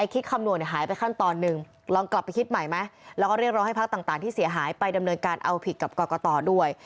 คิดคำนวณหายไปขั้นตอนนึงลองไปคิดใหม่ให้พักต่างที่เสียหายไปก่อนมาเล่นการเอาผิดกับกรกตด้วย